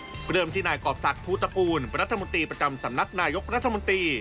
เริ่มที่นายกรอบศักดิภูตระกูลรัฐมนตรีประจำสำนักนายกรัฐมนตรี